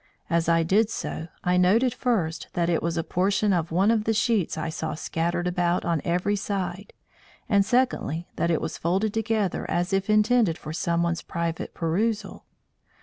As I did so I noted, first, that it was a portion of one of the sheets I saw scattered about on every side, and, secondly, that it was folded together as if intended for someone's private perusal.